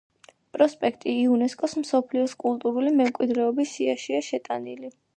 პროსპექტი იუნესკოს მსოფლიოს კულტურული მემკვიდრეობის სიაშია შეტანილი.